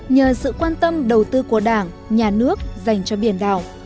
nhờ sự quan tâm đầu tư của đảng nhà nước dành cho biển đảo